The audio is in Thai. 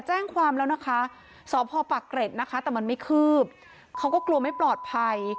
แจ้งความแล้วนะคะสพปักเกร็ดนะคะแต่มันไม่คืบเขาก็กลัวไม่ปลอดภัย